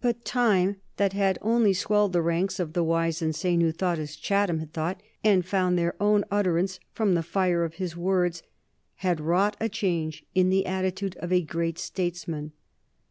But time, that had only swelled the ranks of the wise and sane who thought as Chatham had thought and found their own utterance from the fire of his words, had wrought a change in the attitude of a great statesman.